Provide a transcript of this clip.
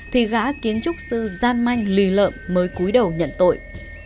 thì gã kiến trúc sư gian manh lì lợm mới cuối đầu nhận tội